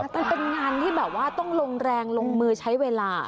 มันเป็นงานที่แบบว่าต้องลงแรงลงมือใช้เวลา